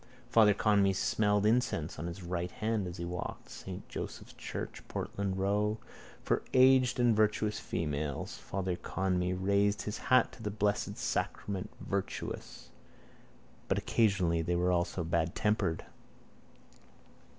Father Conmee smelt incense on his right hand as he walked. Saint Joseph's church, Portland row. For aged and virtuous females. Father Conmee raised his hat to the Blessed Sacrament. Virtuous: but occasionally they were also badtempered.